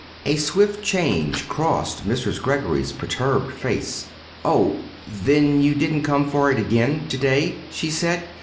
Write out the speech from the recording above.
A swift change crossed Mrs. Greggory's perturbed face. "Oh, then you didn't come for it again to day," she said.